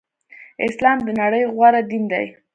اسلام د نړی غوره دین دی.